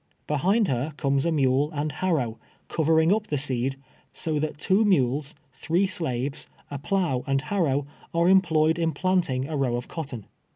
Behind her comes a mule and liarrow, covering up the seed, so that two mules, three shives, a plough and harrow, are employed in planting a row of cotton.